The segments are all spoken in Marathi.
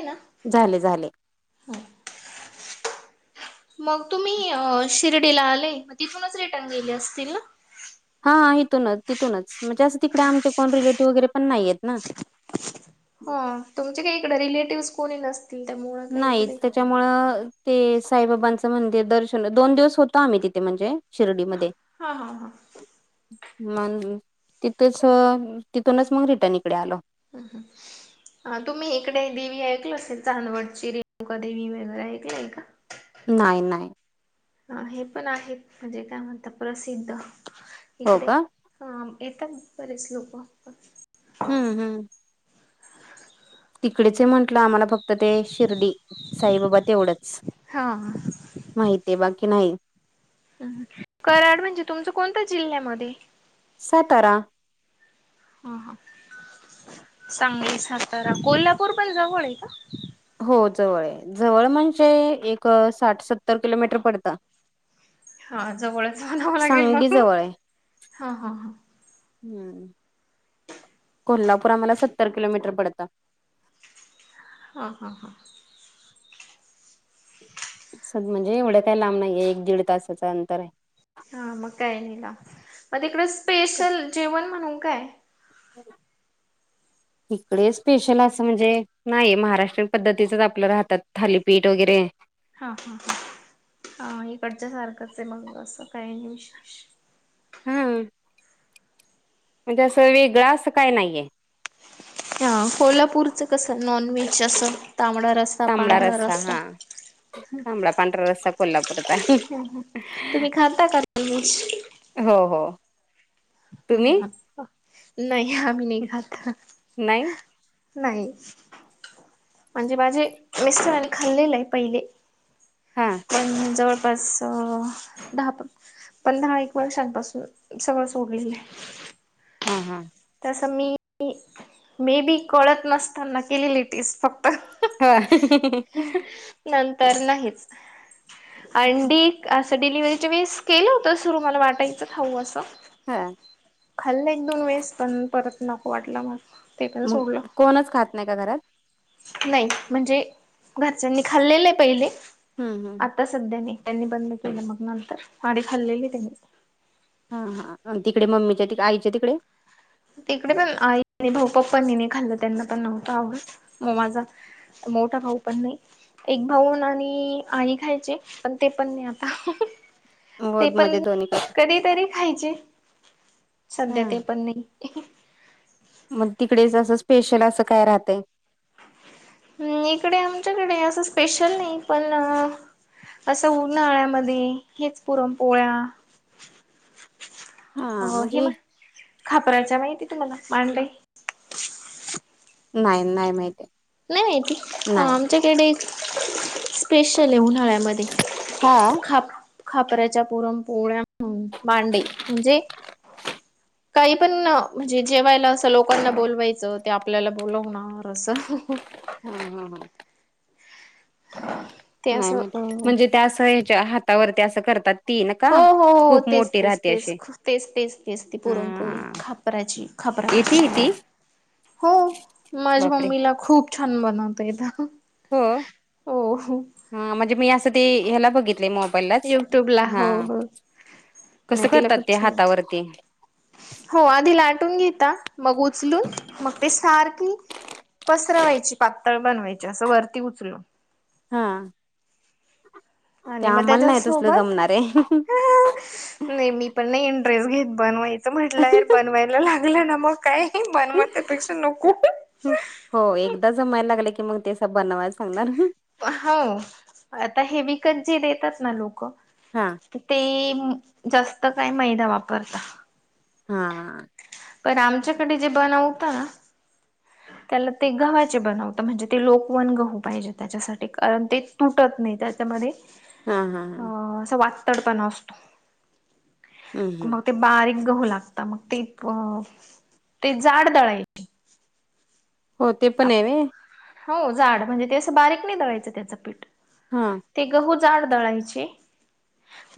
का झाले झाले मग तुम्ही शिर्डीला आले म तिथूनच रिटर्न गेले असतील ना हा इथूनच तिथूनच म्हणजे असं तिकडे आमचे कोण रिलेटिव्ह वगैरे पण नाही आहेत ना हा, तुमचे काही इकडे रिलेटिव्हस कोणी नसतील. ती त्यामुळे. नाहींच. त्यांच्यामुळ ते साईबाबांचं मंदिर दर्शन, दोन दिवस होतो आम्ही तिथे म्हणजे शिर्डीमध्ये. हा हा हा. मंग तिथंच, तिथूनच मग रिटर्न इकडे आलो. हं. हं. ह तुम्ही इकडे देवी ऐकल असेल. चांदवडची रेणुका देवी वगैरे ऐकलंय का, नाही नाही. अ हे पण आहेत. म्हणजे काय म्हणता प्रसिद्ध हो इकडे, का हा, येतात बरेच लोक पण. हम्म हम्म. तिकडेच म्हटलं आम्हाला फक्त ते, शिर्डी साईबाबा तेवढंच. हा. माहिती आहे बाकी नाही. कराड म्हणजे, तुमच कोणत्या जिल्ह्यामध्ये सातारा. हा हा, सांगली सातारा कोल्हापूर पण जवळ आहे का? हो, जवळ जवळ म्हणजे एक साठ सत्तर किलोमीटर पडतं. हा जवळच म्हणावं लागेल सांगली मग जवळ आहे हा हा. हम्म. [inaudible] कोल्हापूर आम्हाला सत्तर किलोमीटर पडतं. हां हां हां. [unintelligible] चल म्हणजे एवढं काय लांब नाहीये, एक दीड तासांच अंतर आहे. हा, मग काय हिला मग तिकडं स्पेशल जेवण म्हणून काय? [unintelligible] इकडे स्पेशल असं म्हणजे, नाही महाराष्ट्रीयन पद्धतीचंच आपल राहत थालीपीठ वगैरे, हा.. हा.. हा इकडच्या सारखंच आहे मग असं काही नाही विशेष. हम्म, म्हणजे अस वेगळ अस काय नाहीये. हा, कोल्हापूरचं कसं नॉन व्हेज असं तांबडा रस्सा. तांबडा पांढरा रसा रस्सा हा, तांबडा पांढरा रस्सा. कोल्हापूरचा, ह ह तुम्ही खाता का नॉनव्हेज हो हो. हं तुम्ही हं नाही आम्ही नाही खात. नाही नाही म्हणजे, माझे मिस्टरानी खाल्लेलं आहे पहिले. हां. पण जवळपास दहा, पण दहा एक वर्षानपासून सगळं सोडलेलं ये. हा हा. तसं मी, मे बी कळत नसताना केलेली टेस्ट फक्त. ह नंतर नाहीच अंडी, असं डिलिव्हरीच्या वेळेस केलं होत, सुरु मला वाटायचं खावु असं. हा. खाल्लं एक दोन वेळेस पण, परत नको वाटलं मला. ते पन मग सोडलं. कोणच खात नाही का घरात नाही म्हणजे घरच्यांनी खाल्लेलं ये पहिले. ह ह आत्ताचं सध्या त्यांनी बंद केलं मग नंतर, आदी खाल्लेल त्यांनी. हा.. हा.. तिकडे मम्मीच्या तिक आईच्या तिकडे? तिकडे पण आई भाऊ पप्पांनी नाही खाल्लं, त्यांना पण नव्हतं आवडत. मग माझा मोठा भाऊ पण नाही. एक भाऊून आणि आई खायचे पण ते पण नाही आता. हो ते माझ्या पण दोन्हीकडे कधीतरी खायचे सध्या हा ते पण नाही. मग तिकडेच असं स्पेशल असं काय राहतंय? हम्म इकडे आमच्याकडे असं स्पेशल नाही पण, असं उन्हाळ्यामध्ये हेच पुरण पोळ्या, [inaudible] अ हे म्हणजे म खापराच्या माहिती तुम्हाला मांडई? नाही नाही माहितीय. नाही हा आमच्याकडे स्पेशल आहे उन्हाळ्यामध्ये. हा. खाप खापऱ्याच्या पुरण पोळ्या मांडे म्हणजे, काही पण म्हणजे जेवायला असं लोकांना बोलवायचं ते आपल्याला बोलवणार रस हम हम हम. [inaudible] नाही अ माहिती म्हणजे ते असं ह्याच्या हातावरती असं करतात ती न का? हो हो हो खूप तेच मोठी तेच राहते अशी तेच तेच तेच तेच ती पुरणपोळी हा खा खापराची येती खापराची ती हो माझ्या बापरे मम्मीला खूप छान बनवता येत. हो हो हो ह म्हणजे मी असं ते ह्याला बघितले मो बईलाच, युट्यूब ला हा हो हो कस नाही तिला करतात खूप ते छान होत हातावरती? हो आधी लाटून घेता मग उचलून मग ते सारखी, पसरवायची पातळ बनवायची असं वरती उचलून, हा. ते आणि मग आम्हाला त्याच्या नाही तसलं सोबत. जमणार आहे. नाही मी पण नाही इंटरेस्ट घेत बनवायचं म्हटलं बनवायला लागलं ना मग, काय बनवा त्या पेक्षा नको. हो एकदा जमायला लागल की मग ते स बनवायला सांगणार. हो आता हे विकत जे देतात ना लोक हां ते जास्त काय मैदा वापरता हा पण आमच्याकडे जे बनाव होता ना [unintelligible] [inaudible] त्याला ते गव्हाचे बनवत म्हणजे ते लोकवन गहू पाहिजे त्याच्यासाठी कारण ते तुटत नाही त्याच्यामध्ये हा हा अ हा असं वाततड पण असत हम्म हम्म मग ते बारीक गहू लागता मग ते ते जाड दळाय हो ते पण आहेवे हो जाड म्हणजे ते असं बारीक नाही दवायचं त्याचं पीठ हा ते गहू जाड दळायचे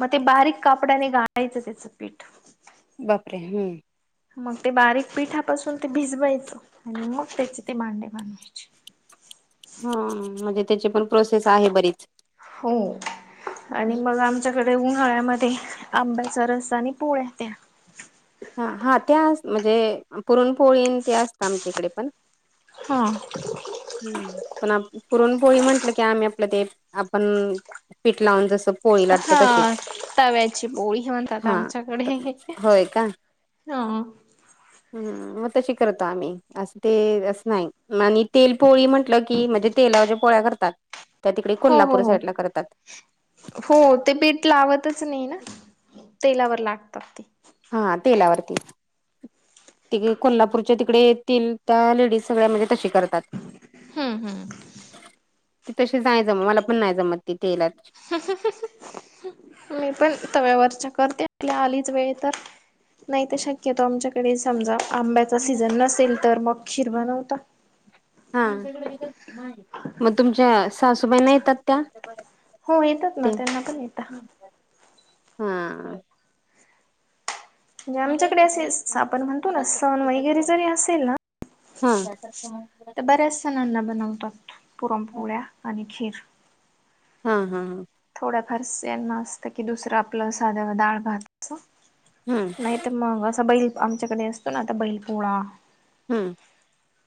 मग ते बारीक कापड्याने गाळायचं त्याचं पीठ बापरे हम्म मग ते बारीक पिठापासून ते भिजवायचं आणि मग त्याचे ते भांडे बनवायचे हा म्हणजे त्याची पण प्रोसेस आहे बरीच हो आणि मग आम आच्याकडे उन्हाळ्यामध्ये आंब्याचा रस्ता आणि पोळ्या त्या हा हा ते म्हणजे पुरणपोळीन ते असत आमच्या इकडे पण हा हम् पण पुरण पोळी म्हंटल की आम्ही आपलं ते आपण पीठ लावून जसं पोळी लाटतो हा तशीच तव्याची बोळी म्हणतात हा आमच्याकडे होय का? हा हम्म मग तशी करतो आम्ही असं ते असं नाही आणि तेल पोळी म्हंटलं की म्हणजे तेलावच्या्या पोळ्या करतात त्या तिकडे हो हो कोल्हापूर हो साईड ला करतात हो ते पीठ लावतच नाही ना तेलावर लागतात ते हा तेलावरती त कोल्हापूरच्या तिकडे येतील त्या लेडीज सगळ्या म्हणजे तशी करतात हा हा त तशी जाय जम मला पण नाही जमत तिथेला मी पण तव्यावरच्या करते आपल्या आलीच वेळ तर नाही तर शक्यतो आमच्याकडे समजा आंब्याचा सीझन नसेल तर मगक्षीर बनवता हा मग तुमच्या सासूबाईना येतात त्या हो येतात ना ते त्यांना पण येत हा म्हणजे आमच्याकडे असे आपण म्हणतो ना सण वगैरे जरी असेल ना हा त्याारखं तर बऱ्याचसाणना बनवतात पुरणपोवळ्या आणि खीर हा हा हां थोड्याफार यांना असतं की दुसरं आपलं साध्या डाळ भात हम्म नाही तर मग असा बैल आमच्याकडे असतो ना आता बैल पोळा हम्म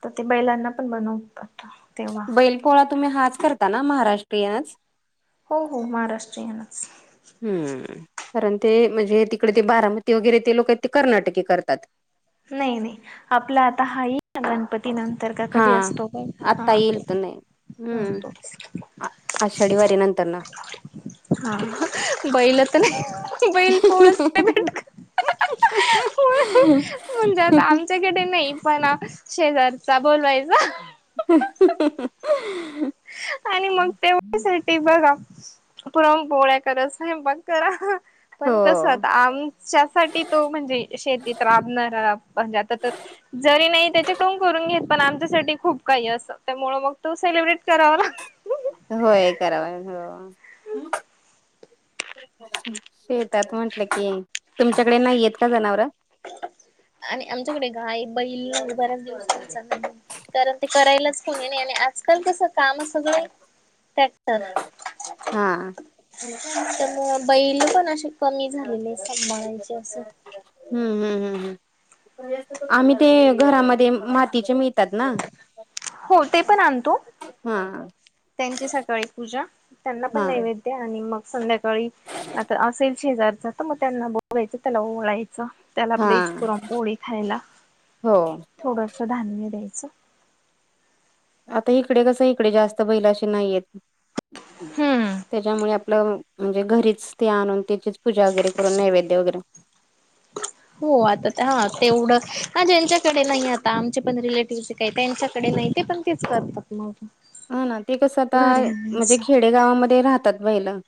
तर ते बैलांना पण बनवतात तेव्हा. बैल पोळा तुम्ही हाच करता ना महाराष्ट्रीयनच हो हो महाराष्ट्रीयनच हम्म कारण ते म्हणजे तिकडे ते बारामती वगैरे ते लोक आहेत ते कर्नाटके करतात नाही नाही आपला आता हा गणपती ती नंतर का हा. कधी असतो बघ हा आत्ता येईल तर नाही हम्म आषाढीवारी नंतर ना हा बैलता नाही बैल पोळ हो. भेट म्हणजत आम त्याच्याकडे नाही पण शेजारचा बोलवायचा ह आणि मग तेवढ्यासाठी बघा पुरम पोळ्या करच आहे मग करा पण कसं आता आमच्यासाठी तो म्हणजे शेतीत राबणारा म्हणजे आता जरी नाही त्याचे कोम करून घेत पण आमच्यासाठी खूप काही असं त्यामुळ मग तू सेलिब्रेट कराव ना होय करावा ह शेतात म्हटलं की तुमच्याकडे नाहीयेत का जनावर आणि आमच्याकडे गाय बैल बऱ्याच दिवस कारण ते करायलाच कोणी नाही आणि आकाल कसं काम असगय ट्रॅक्टर हा त्यामु बैल पण असे कमी झालेले सांभळायचे असं हम्म हम्म हम् आम्ही ते घरामध्ये मातीचे म तत ना हो ते पण आणतो हा त्यांची सकाळी पूजा त्यांना पण हा नैवेद्य आणि मग संध्याकाळी आता असेल शेजारचा तर मग त्यांना बघायचं त्याला ओळायचं त्याला हा ब्लेच पुुरम पोळी खायला हो थोडंसं धान्य द्यायचं आता इकडे कस इकडे जास्त बैलाशी नाहीयेत हम्म त्याच्यामुळे आपलं म्हणजे घरीच ते आणून त्याचीच पूजा वगैरे करून नैवेद्य वगैरे हो आता हा तेवढं हा ज्यांच्याकडे नाही आता आमचे पण रिलेटिव्हे काही त्यांच्याकडे नाही ते पण तेच करतात मा हा ना ते कसं आता म्हणजे खेडे गावामध्ये राहतात बहिलं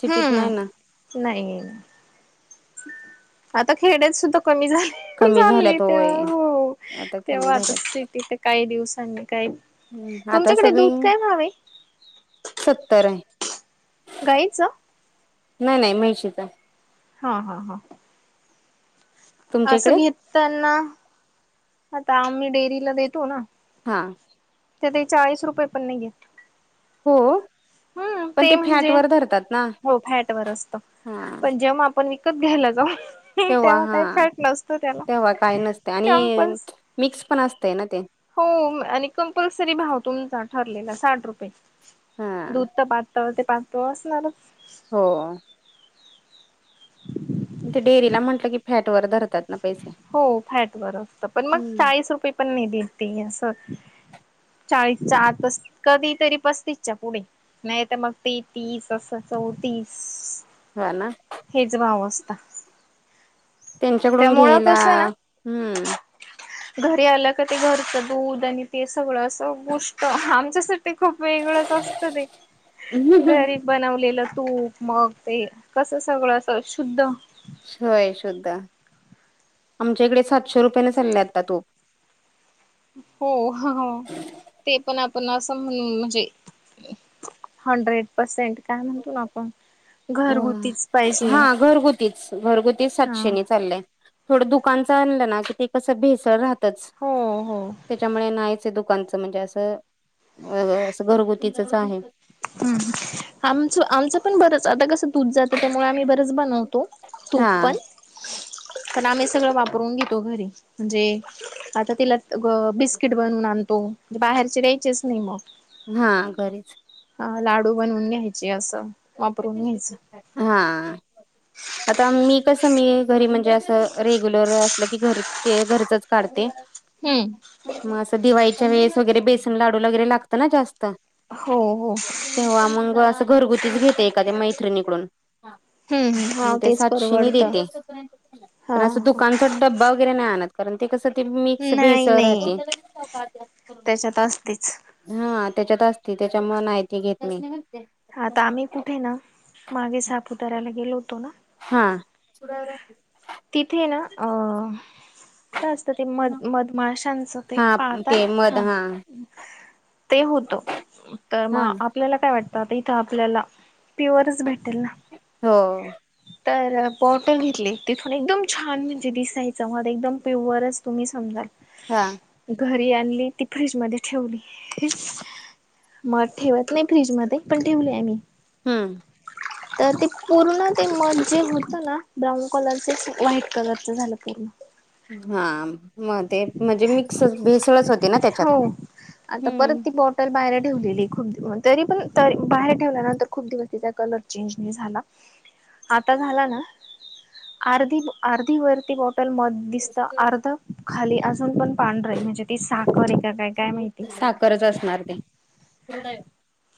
सिटीत नाही ना हम्म नाही आता खेड्यात सुद्धा कमी झाले कमी चालली झाल्यात तेव्हा होय हो आता कमी तेव्हा आता झाल्यात. सिटीथ काही दिवसांनी काही हम्म आता तुमच्याकडे सगळी दूध काय व्हावे सत्तर गायच नाही नाही मि्याळचीच आहे हा हा हा तुमच्या असं इकडे घेतताना आता आम्ही डेअरीला देतो ना हां ते ते चाळीस रुपये पण नाही आहे हो हम्म पण ते फॅट म्हणजे वर धरतात ना हो फॅट वर असत हा पण जेव्हा आपण विकत घ्यायला जाऊ तेव्हा काही फॅट नसतो तेव्हा त्याला काय नसते आणि कमपल्स मिक्स पण असतय ना ते हो आणि कंपल्सरी भाव तुमचा ठरलेला साठ रुपये हा दूध तर पाततावर ते पळ असणारच हो ते डेअरीला म्हटलं की फॅट वर धर हो फॅट बरं असत पण मग हम्म, चाळीस रुपये पण नाही देत त स चाळीसच्या आता कधी तरी पस्तीसच्या पुढे नाही तर मग ते तीस असं चौतीस ह ना हेच भाव असत त्यांच्याकडून घ्यायला, कसं ना हम्म घरी आलं का ते घरचं दूध आणि ते सगळं असं गोष्ट आमच्यासाठी खूप वेगळंच, स्वस्त दे घरीब. बनवलेलं तूप मग ते कसं सगळं अस शुद्ध. होय शुद्ध, आमच्याकडे सातशे रुपयाने चालले आता तूप. होहह ते पण आपण असं म्हण म्हणजे, हंड्रेड परसेंट काय म्हणतो आपण, घरगुतीच पाहिजे हा घरगुतीच घरगुतीच हा सातशे नि चाललंय. थोडं दुकानचं आणलं ना की ते कसं भेसळ राहतच हो हो त्याच्यामुळे नाहीच ते दुक आमचं म्हणजे असं अ असं घरगुतीचच आहे. ह आमच आमचं पण बरंच आता कसं तूप जात त्यामुळे आम्ही बरच बनवतो, तूप हा पण कारण आम्ही सगळं वाप रून घेतो घरी म्हणजे, आता तिला अब बिस्किट बनून आणतो. बाहेरचे द्यायचेच नाही मग, हा घरीच, हा लाडू बनवून घ्यायचे असं, वापरून घ्यायचं. हाआ, आता मी कसं मी घरी म्हणजे असं रेग्युलर असलं की घरी ते घरचच काढते, हम्म म असं दिवाळीच्या वेळेस वगैरे बेसन लाडू लां वगैरे लागतं ना जास्त, हो हो तेव्हा मंग असं घरगुतीच घेते एखाद्या मैत्रीणीकडून हम्म म हा ते तेच सातशे नि परवडत देते पण हा असं दुकानच, डब्बा वगैरे आणत, कारण ते कस ते मिक्स भेस नाही नाही राहते, त्याच्यात असतेच हा त्याच्यात असती त्याच्या मुल नाही ती घेत मी आता आम्ही कुठे ना मागे, सापुताऱ्या ला गेलो होतो हा, तिथेच आ, काय असतं, ते मध मधमाशांचं ते हा ते पाहतात. मध हा ते होत तर मग हा आप आपल्याला काय वाटतं आता इथं आपल्याला प्युअरच भेटेल ना, हो, तरअ बॉटल घेतली तिथून एकदम छान म्हणजे दिसायचं मध्ये एकदम प्युअरच तुम्ही समजा, हा, घरी आणली ती फ्रीजमध्ये ठेवली, मग ठेवत नाही फ्रीज मध्ये पण ठेवली आम्ही हम्म, तर ते पूर्ण ते मजजे होती, ब्राऊन कलरचेच व्हाईट कलरच झालं पूर्ण, हा मग ते म्हणजे मिक्स भेसळच होती ना त्याच्यात, तर बाहेर ठेवलेली खूप तरी पण बाहेर ठेवल्यानंतर खूप दिवस तिचा कलर चेंज नाही झाला, आता झाला ना, अर्धी अर्धी वरती बॉटल मद दिसत अर्ध खाली अजून पण, पांढर आहे म्हणजे ती साखर आहे का काय काय माहिती, साखरच असणार ते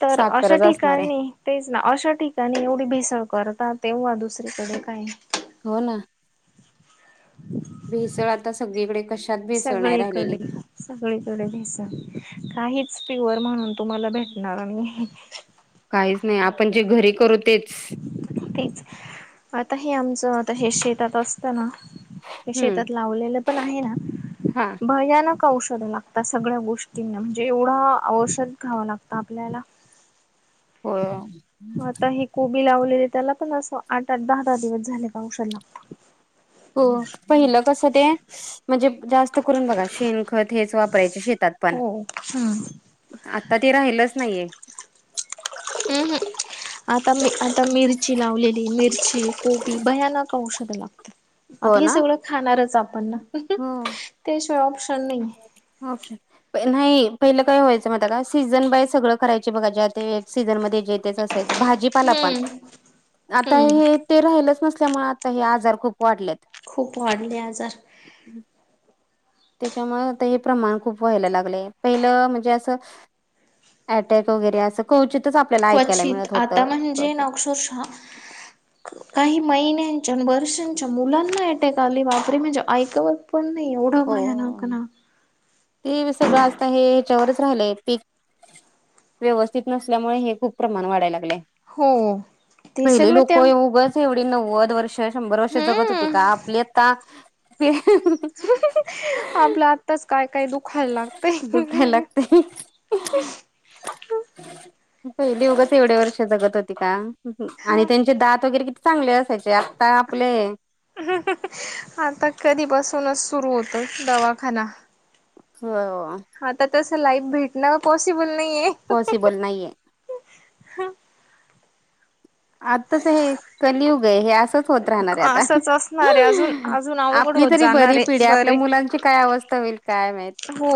तर अशा साखरच असणार आहे ठिकाणी, तेच ना अशा ठिकाणी एवढी भेसळ करतात. तेव्हा दुसरीकडे काय, हो ना, भेसळ आता सगळीकडेच आशी सगळीकडे, सगळीकडे भेसळ काहीच प्युअर म्हणून तुम्हाला भेटणार नाही, काहीच नाही आपण जे घरी करू तेच तेच आता हे आमचं आता हे शेतात असतना हम्म शेतात लावलेलं पण आहे ना हा भजनक औषधं लागतात सगळ्या गोष्टींना म्हणजे एवढं औषध घ्यावं लागतं आपल्याला हो आता हेी कोबी लावलेली त्याला पण असं आठ आठ दहा दहा दिवस झाले पावसाला हो पहिलं कसं ते म्हणजे जास्त करून बघा शेण खत हेच वापरायचे शेतात पण हो हम् आता ते राहिलंच नाहीये हम् हम् आता मी आता मिरची लावलेली मिरची कोबी भयानक औषध लागतात हो आता हे ना सगळं खाणारच आपण ना त्याशिवाय ऑप्शन नाही अच्छा नाही पहिलं काय व्हायचं म का सीझन बाय सगळं करायची बघा ज्या ते सीझनमध्येध्ये जे तेच असे भाजीपाला पण हम्म आता हम्म हे ते राहिलंच नसल्यामुळे आता हे आजार खूप वाढलेत खूप वाढले आजार त्याच्यामुळे आता हे प्रमाण खूप व्हायला लागलंय पहिलं म्हणजे असं अटॅक वगैरे असं कवचितच आपल्याला ऐकायला मिळत होत क शुषा काही महिन्यांच्या वर्षांच्या मुलांना अटेक आली वापर म्हणजे ऐकवत. पण नाय एवढं हो मायानक ना. ते सगळं असता हे ह्याच्यावरच राहिलंय पीक. व्यवस्थित नसल्यामुळे हे खूप प्रमाण वाढायला लागले हो. ते पहिले सगळं लोक त्या ये उगच. एवढी नव्वद वर्ष शंभर वर्ष जगत होती का हम्म आपली आता. आपला आत्ताच काय काय दुखायला लागत. दुखय लागते. पहिले उगाच एवढे वर्ष जगत होती का. आणि हा त्यांचे दात वगैरे किती चांगले असायचे आत्ता आपले. आता कधीपासूनच सुरू होतं दवाखाना. होय ओ. आता तसं लाईफ भेटणं पॉसिबल नाहीये. पॉसिबल नाही आहे. आताच हे कलियुग आहे हे अस. असंच राहनार आता असंच असणार आहे अजून अजून अवघड आपली होत तरी जाणार बरी पिढी आहे आपल्या बरे. मुलांचं काय अवस्था होईल. काय माहत. हो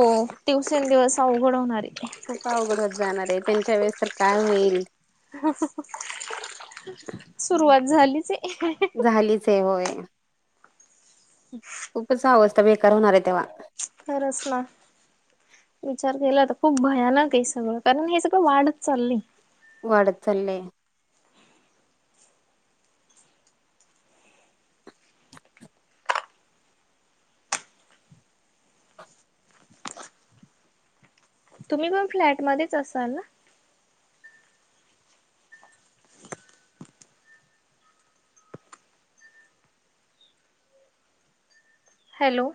दिवसेल दिवस अवघड होणार आहे. खूप अवघड होत जाणार आहे त्यांच्या वेळेस तर काय होईल. ह सुरुवात झालीच हाय. झालीच आहे होय. खूपच अवस्थ बेकार होणार आहे तेव्हा. खरच ना. विचार केला तर खूप भयानक आहे सगळं कारण हे सगळं वाढच चालय. वाढत चलेय. तुम्ही पण फ्लॅटमध्येच असाल ना. हॅलो.